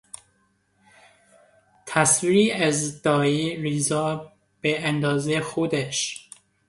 تصویری از دایی رضا به اندازهی خودش